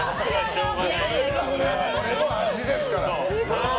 それも味ですから。